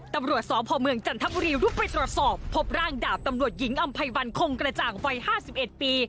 ตำรวจสพเมืองจันทบุรีลุกไปตรวจสอบพบร่างดาบตำรวจหญิงอำไพวันคงกระจ่างวัย๕๑ปี